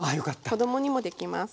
子供にもできます。